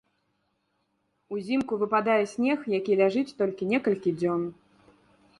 Узімку выпадае снег, які ляжыць толькі некалькі дзён.